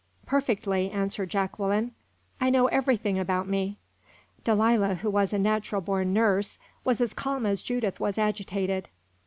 "Perfectly," answered Jacqueline. "I know everything about me." Delilah, who was a natural born nurse, was as calm as Judith was agitated.